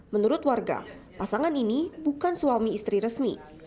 menurut warga pasangan ini bukan suami istri resmi